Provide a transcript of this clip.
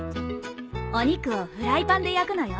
お肉をフライパンで焼くのよ。